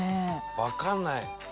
わかんない。